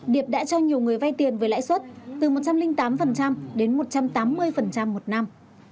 điệp đã cho nhiều người vay tiền với lãi suất từ một trăm linh tám đến một trăm tám mươi một năm